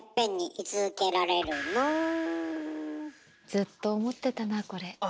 ずっと思ってたなこれ。